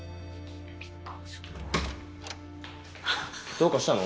どうかしたの？